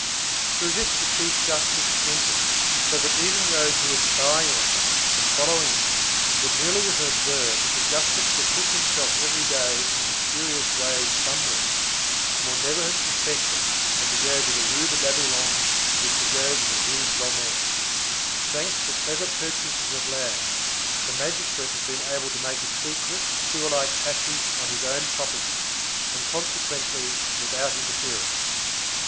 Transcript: Through this the chief justice entered, so that even those who were spying on him and following him would merely have observed that the justice betook himself every day in a mysterious way somewhere, and would never have suspected that to go to the Rue de Babylone was to go to the Rue Blomet. Thanks to clever purchasers of land, the magistrate had been able to make a secret, sewer like passage on his own property, and consequently, without interference.